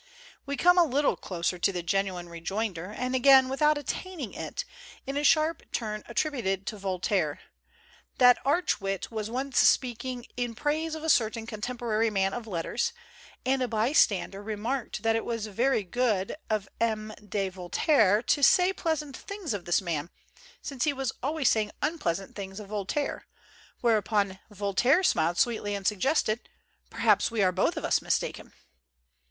We come a little closer to the genuine re joinder, and again without attaining it, in a sharp turn attributed to Voltaire. That arch wit was once speaking in praise of a certain contemporary man of letters, and a bystander remarked thai it y good of M. do Vol 169 THE GENTLE ART OF REPARTEE taire to say pleasant things of this man, since he was always saying unpleasant things of Vol taire; whereupon Voltaire smiled sweetly and suggested, "Perhaps we are both of us mis taken."